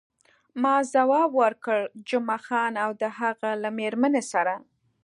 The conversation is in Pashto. ما ځواب ورکړ، جمعه خان او د هغه له میرمنې سره.